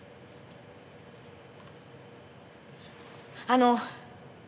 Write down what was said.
あの。